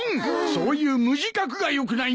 そういう無自覚がよくないんだ。